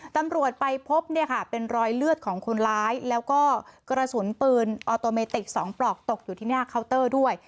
ตำรวจไปพบเนี่ยค่ะเป็นรอยเลือดของคนร้ายแล้วก็กระสุนปืนออโตเมติก๒ปลอกตกอยู่ที่หน้าเคาน์เตอร์ด้วย